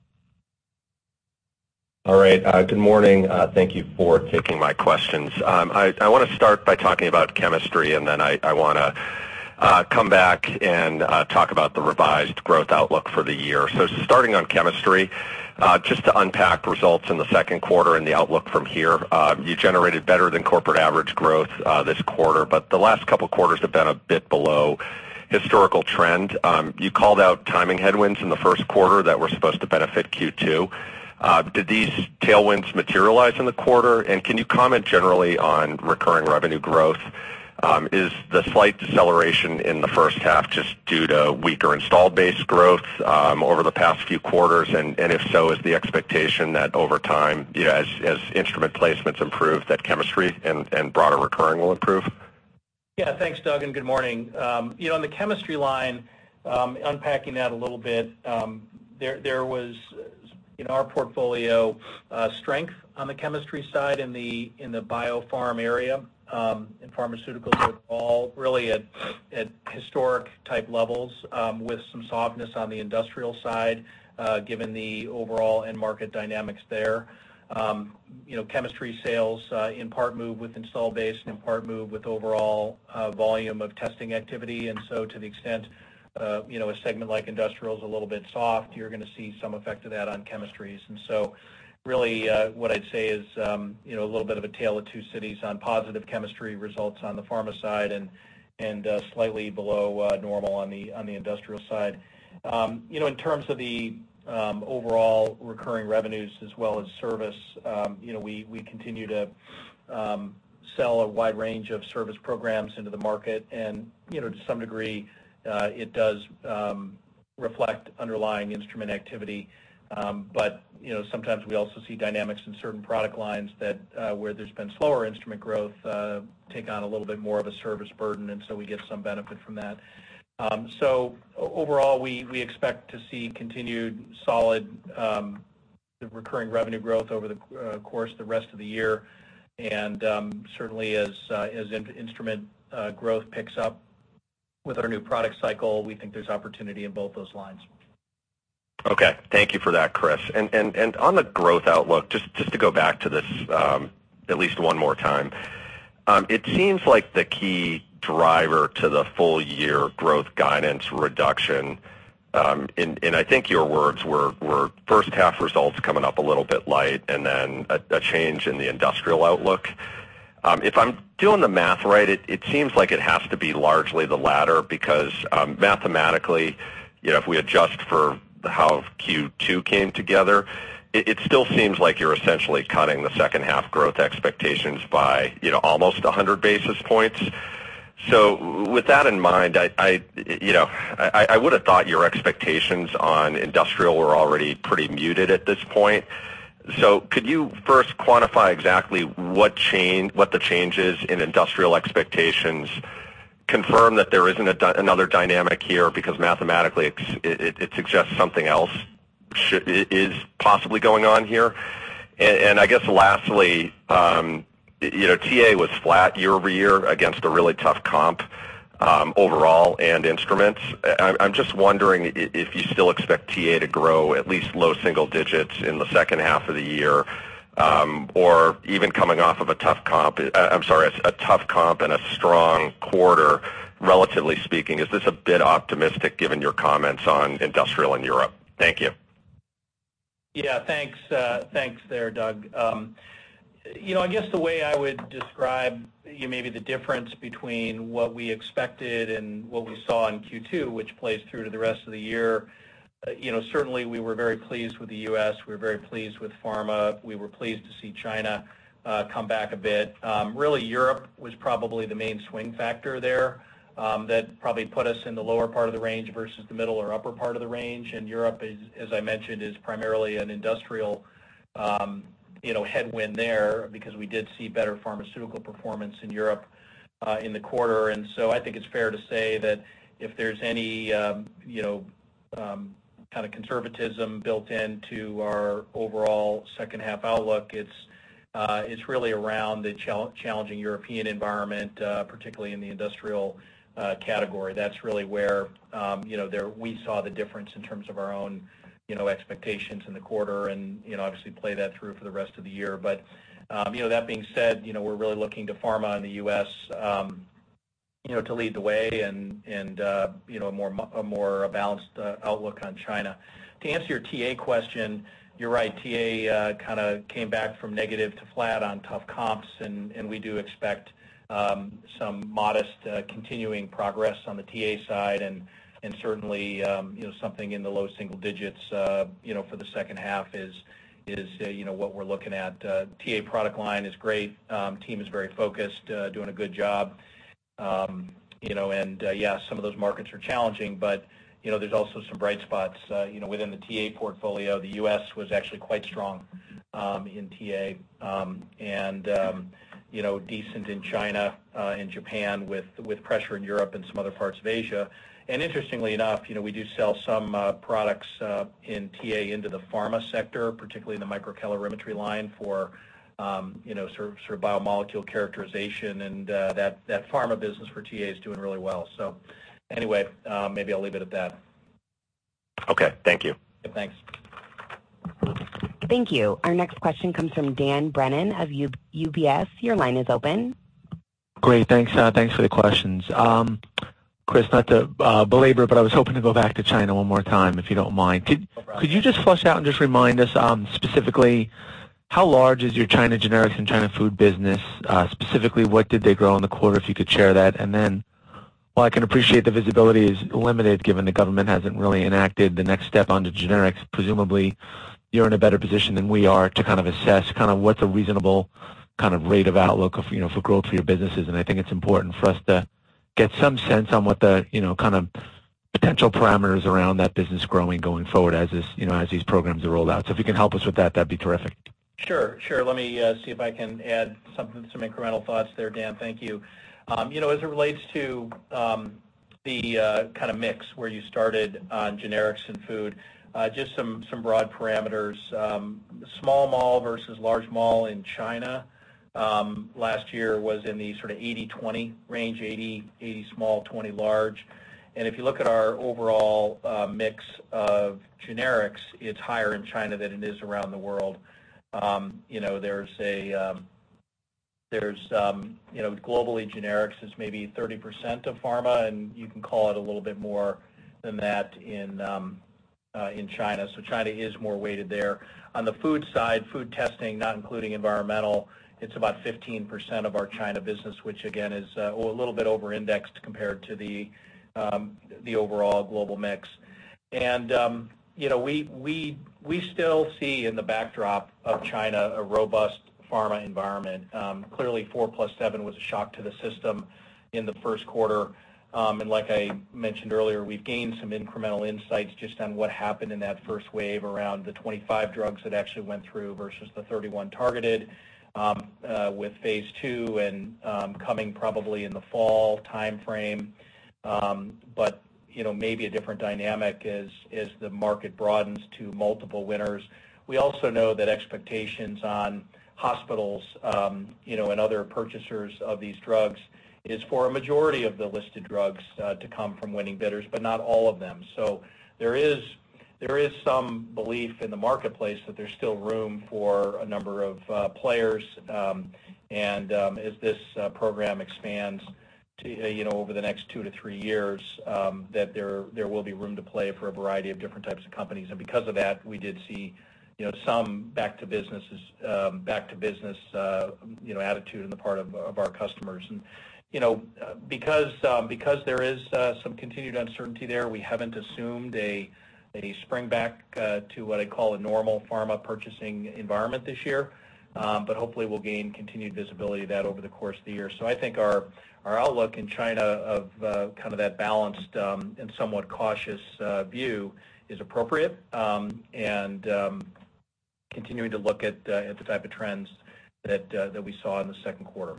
All right. Good morning. Thank you for taking my questions. I want to start by talking about chemistry, and then I want to come back and talk about the revised growth outlook for the year. Starting on chemistry, just to unpack results in the second quarter and the outlook from here, you generated better than corporate average growth this quarter. But the last couple of quarters have been a bit below historical trend. You called out timing headwinds in the first quarter that were supposed to benefit Q2. Did these tailwinds materialize in the quarter? And can you comment generally on recurring revenue growth? Is the slight deceleration in the first half just due to weaker installed base growth over the past few quarters? And if so, is the expectation that over time, as instrument placements improve, that chemistry and broader recurring will improve? Yeah. Thanks, Doug. And good morning. On the chemistry line, unpacking that a little bit, there was in our portfolio strength on the chemistry side in the biopharm area and pharmaceuticals are all really at historic-type levels with some softness on the industrial side given the overall end market dynamics there. Chemistry sales in part move with installed base and in part move with overall volume of testing activity. And so to the extent a segment like industrial is a little bit soft, you're going to see some effect of that on chemistries. And so really what I'd say is a little bit of a tale of two cities on positive chemistry results on the pharma side and slightly below normal on the industrial side. In terms of the overall recurring revenues as well as service, we continue to sell a wide range of service programs into the market. And to some degree, it does reflect underlying instrument activity. But sometimes we also see dynamics in certain product lines where there's been slower instrument growth take on a little bit more of a service burden. And so we get some benefit from that. So overall, we expect to see continued solid recurring revenue growth over the course of the rest of the year. And certainly, as instrument growth picks up with our new product cycle, we think there's opportunity in both those lines. Okay. Thank you for that, Chris. And on the growth outlook, just to go back to this at least one more time, it seems like the key driver to the full-year growth guidance reduction in, I think your words were, first-half results coming up a little bit light and then a change in the industrial outlook. If I'm doing the math right, it seems like it has to be largely the latter because mathematically, if we adjust for how Q2 came together, it still seems like you're essentially cutting the second-half growth expectations by almost 100 basis points. So with that in mind, I would have thought your expectations on industrial were already pretty muted at this point. So could you first quantify exactly what the changes in industrial expectations confirm that there isn't another dynamic here because mathematically, it suggests something else is possibly going on here? And I guess lastly, TA was flat year over year against a really tough comp overall and instruments. I'm just wondering if you still expect TA to grow at least low single digits in the second half of the year or even coming off of a tough comp? I'm sorry, a tough comp and a strong quarter, relatively speaking. Is this a bit optimistic given your comments on industrial in Europe? Thank you. Yeah. Thanks. Thanks there, Doug. I guess the way I would describe maybe the difference between what we expected and what we saw in Q2, which plays through to the rest of the year. Certainly we were very pleased with the U.S. We were very pleased with pharma. We were pleased to see China come back a bit. Really, Europe was probably the main swing factor there that probably put us in the lower part of the range versus the middle or upper part of the range, and Europe, as I mentioned, is primarily an industrial headwind there because we did see better pharmaceutical performance in Europe in the quarter. And so I think it's fair to say that if there's any kind of conservatism built into our overall second-half outlook, it's really around the challenging European environment, particularly in the industrial category. That's really where we saw the difference in terms of our own expectations in the quarter and obviously play that through for the rest of the year. But that being said, we're really looking to pharma in the U.S. to lead the way and a more balanced outlook on China. To answer your TA question, you're right. TA kind of came back from negative to flat on tough comps. And we do expect some modest continuing progress on the TA side. And certainly, something in the low single digits for the second half is what we're looking at. TA product line is great. Team is very focused, doing a good job. And yeah, some of those markets are challenging, but there's also some bright spots within the TA portfolio. The U.S. was actually quite strong in TA and decent in China and Japan, with pressure in Europe and some other parts of Asia. And interestingly enough, we do sell some products in TA into the pharma sector, particularly in the microcalorimetry line for sort of biomolecule characterization. And that pharma business for TA is doing really well. So anyway, maybe I'll leave it at that. Okay. Thank you. Thanks. Thank you. Our next question comes from Dan Brennan of UBS. Your line is open. Great. Thanks. Thanks for the questions. Chris, not to belabor, but I was hoping to go back to China one more time, if you don't mind. No problem. Could you just flesh out and just remind us specifically how large is your China generics and China food business? Specifically, what did they grow in the quarter if you could share that? And then, while I can appreciate the visibility is limited given the government hasn't really enacted the next step onto generics, presumably you're in a better position than we are to kind of assess kind of what's a reasonable kind of rate of outlook for growth for your businesses. And I think it's important for us to get some sense on what the kind of potential parameters around that business growing going forward as these programs are rolled out. So if you can help us with that, that'd be terrific. Sure. Sure. Let me see if I can add some incremental thoughts there, Dan. Thank you. As it relates to the kind of mix where you started on generics and food, just some broad parameters. Small molecule versus large molecule in China last year was in the sort of 80/20 range, 80 small, 20 large. And if you look at our overall mix of generics, it's higher in China than it is around the world. There's globally, generics is maybe 30% of pharma, and you can call it a little bit more than that in China. So China is more weighted there. On the food side, food testing, not including environmental, it's about 15% of our China business, which again is a little bit over-indexed compared to the overall global mix. And we still see in the backdrop of China a robust pharma environment. Clearly, 4+7 was a shock to the system in the first quarter. And like I mentioned earlier, we've gained some incremental insights just on what happened in that first wave around the 25 drugs that actually went through versus the 31 targeted with phase II and coming probably in the fall timeframe. But maybe a different dynamic is the market broadens to multiple winners. We also know that expectations on hospitals and other purchasers of these drugs is for a majority of the listed drugs to come from winning bidders, but not all of them. So there is some belief in the marketplace that there's still room for a number of players. And as this program expands over the next two to three years, that there will be room to play for a variety of different types of companies. And because of that, we did see some back-to-business attitude on the part of our customers. And because there is some continued uncertainty there, we haven't assumed a spring back to what I call a normal pharma purchasing environment this year, but hopefully we'll gain continued visibility of that over the course of the year. So I think our outlook in China of kind of that balanced and somewhat cautious view is appropriate and continuing to look at the type of trends that we saw in the second quarter.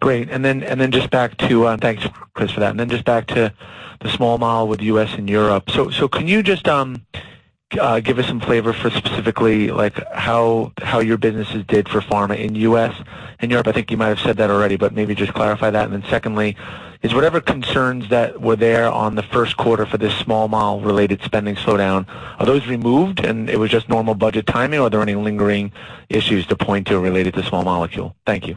Great. Thanks, Chris, for that. And then just back to the small molecule with U.S. and Europe. So can you just give us some flavor for specifically how your businesses did for pharma in U.S. and Europe? I think you might have said that already, but maybe just clarify that. And then secondly, is whatever concerns that were there on the first quarter for this small molecule-related spending slowdown, are those removed and it was just normal budget timing? Are there any lingering issues to point to related to small molecule? Thank you.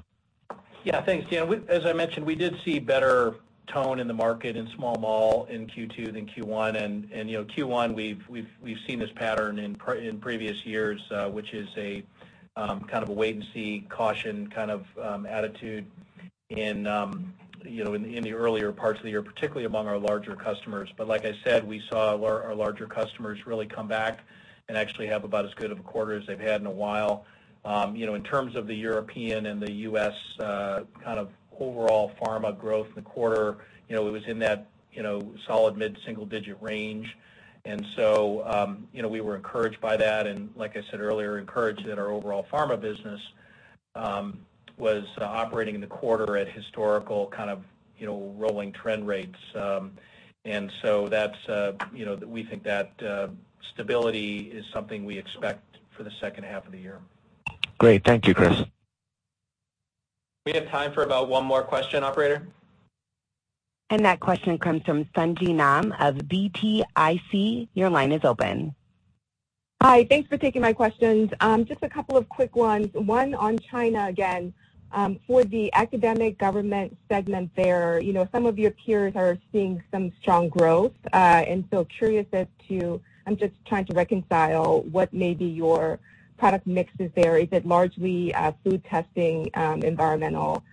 Yeah. Thanks, Dan. As I mentioned, we did see better tone in the market in small molecule in Q2 than Q1. And Q1, we've seen this pattern in previous years, which is kind of a wait-and-see, caution kind of attitude in the earlier parts of the year, particularly among our larger customers. But like I said, we saw our larger customers really come back and actually have about as good of a quarter as they've had in a while. In terms of the European and the U.S. kind of overall pharma growth in the quarter, it was in that solid mid-single-digit range. And so we were encouraged by that. And like I said earlier, encouraged that our overall pharma business was operating in the quarter at historical kind of rolling trend rates. And so we think that stability is something we expect for the second half of the year. Great. Thank you, Chris. We have time for about one more question, operator. And that question comes from Sung Ji Nam of BTIG. Your line is open. Hi. Thanks for taking my questions. Just a couple of quick ones. One on China again. For the academic government segment there, some of your peers are seeing some strong growth. And so curious as to, I'm just trying to reconcile what may be your product mixes there. Is it largely food testing, environmental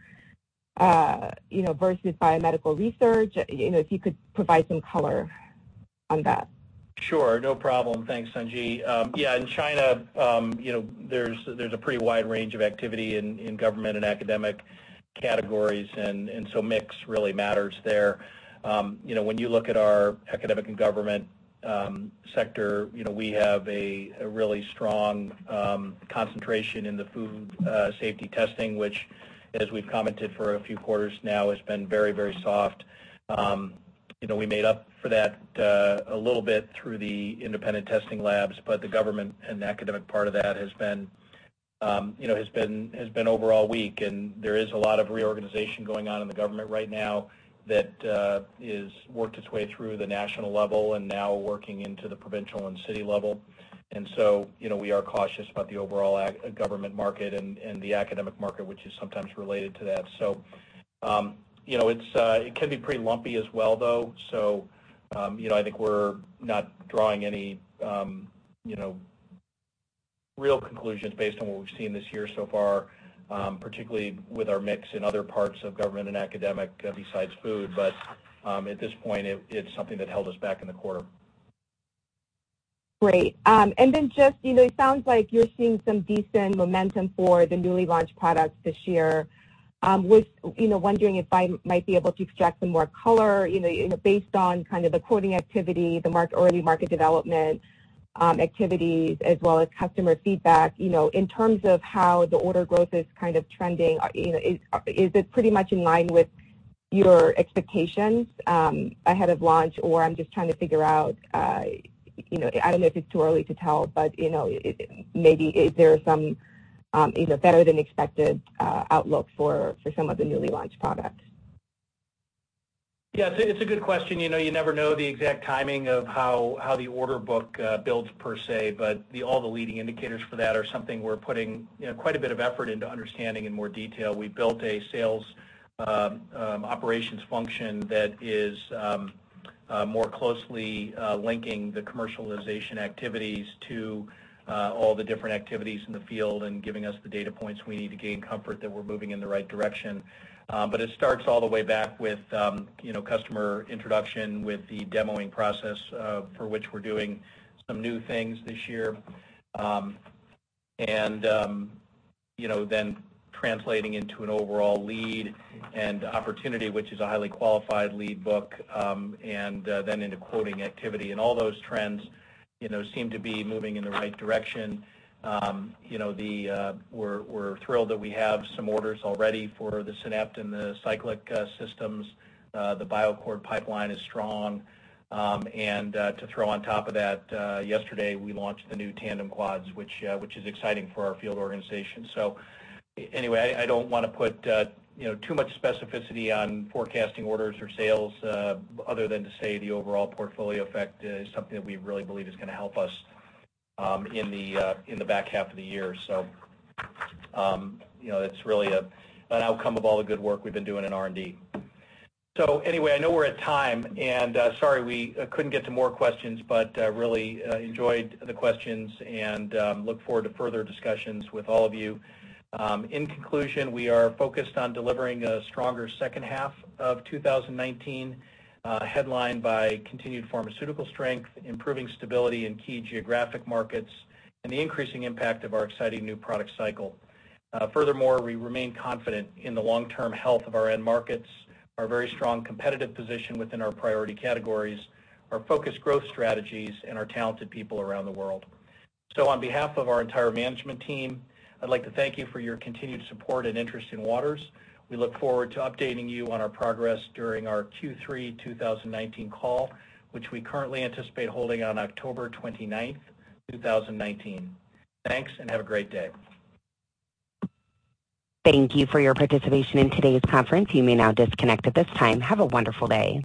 versus biomedical research? If you could provide some color on that. Sure. No problem. Thanks, Sung Ji. Yeah. In China, there's a pretty wide range of activity in government and academic categories, and so mix really matters there. When you look at our academic and government sector, we have a really strong concentration in the food safety testing, which, as we've commented for a few quarters now, has been very, very soft. We made up for that a little bit through the independent testing labs, but the government and academic part of that has been overall weak, and there is a lot of reorganization going on in the government right now that has worked its way through the national level and now working into the provincial and city level, and so we are cautious about the overall government market and the academic market, which is sometimes related to that, so it can be pretty lumpy as well, though. So I think we're not drawing any real conclusions based on what we've seen this year so far, particularly with our mix in other parts of government and academic besides food. But at this point, it's something that held us back in the quarter. Great. And then just it sounds like you're seeing some decent momentum for the newly launched products this year. Wondering if I might be able to extract some more color based on kind of the quoting activity, the early market development activities, as well as customer feedback. In terms of how the order growth is kind of trending, is it pretty much in line with your expectations ahead of launch? Or I'm just trying to figure out, I don't know if it's too early to tell, but maybe is there some better-than-expected outlook for some of the newly launched products? Yeah. It's a good question. You never know the exact timing of how the order book builds per se, but all the leading indicators for that are something we're putting quite a bit of effort into understanding in more detail. We built a sales operations function that is more closely linking the commercialization activities to all the different activities in the field and giving us the data points we need to gain comfort that we're moving in the right direction, but it starts all the way back with customer introduction, with the demoing process for which we're doing some new things this year, and then translating into an overall lead and opportunity, which is a highly qualified lead book, and then into quoting activity, and all those trends seem to be moving in the right direction. We're thrilled that we have some orders already for the SYNAPT and the Cyclic systems. The BioAccord pipeline is strong. And to throw on top of that, yesterday we launched the new tandem quads, which is exciting for our field organization. So anyway, I don't want to put too much specificity on forecasting orders or sales other than to say the overall portfolio effect is something that we really believe is going to help us in the back half of the year. So it's really an outcome of all the good work we've been doing in R&D. So anyway, I know we're at time. And sorry, we couldn't get to more questions, but really enjoyed the questions and look forward to further discussions with all of you. In conclusion, we are focused on delivering a stronger second half of 2019 headlined by continued pharmaceutical strength, improving stability in key geographic markets, and the increasing impact of our exciting new product cycle. Furthermore, we remain confident in the long-term health of our end markets, our very strong competitive position within our priority categories, our focused growth strategies, and our talented people around the world. So on behalf of our entire management team, I'd like to thank you for your continued support and interest in Waters. We look forward to updating you on our progress during our Q3 2019 call, which we currently anticipate holding on October 29th, 2019. Thanks and have a great day. Thank you for your participation in today's conference. You may now disconnect at this time. Have a wonderful day.